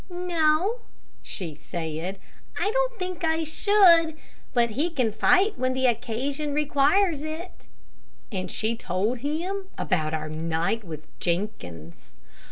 "No," she said; "I don't think I should; but he can fight when the occasion requires it." And she told him about our night with Jenkins.